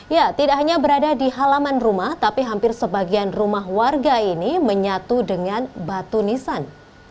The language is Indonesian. ya tidak hanya berada di halaman rumah tapi hampir sebagian rumah warga ini menyatu dengan batu nisan